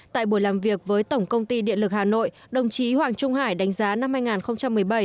tại buổi làm việc với tổng công ty điện lực hà nội đồng chí hoàng trung hải đánh giá năm hai nghìn một mươi bảy